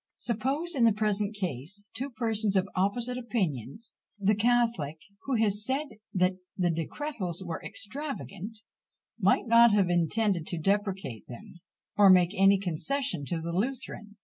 Suppose, in the present case, two persons of opposite opinions. The catholic, who had said that the decretals were extravagant, might not have intended to depreciate them, or make any concession to the Lutheran.